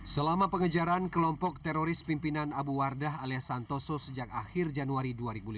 selama pengejaran kelompok teroris pimpinan abu wardah alias santoso sejak akhir januari dua ribu lima belas